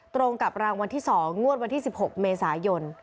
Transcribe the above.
ตรงกับรางวัลที่๒งวดวันที่๑๖เมษายน